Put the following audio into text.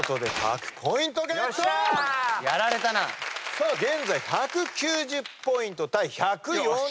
さあ現在１９０ポイント対１４０ポイント。